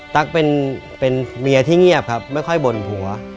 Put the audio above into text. ตั๊กเป็นเมียที่เงียบครับไม่ค่อยบ่นผัว